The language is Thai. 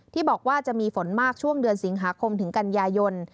ที่บอกว่าจะมีฝนมากช่วงเดือนสิงหาคมถึงกันยายน